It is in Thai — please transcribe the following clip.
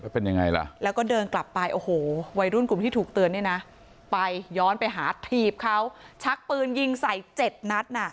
เป็นยังไงล่ะแล้วก็เดินกลับไปโอ้โหวัยรุ่นกลุ่มที่ถูกเตือนเนี่ยนะไปย้อนไปหาถีบเขาชักปืนยิงใส่เจ็ดนัดน่ะ